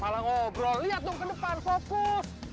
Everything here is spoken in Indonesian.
malah ngobrol lihat dong ke depan fokus